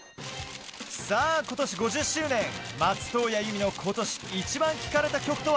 さあ、ことし５０周年、松任谷由実の今年イチバン聴かれた曲とは？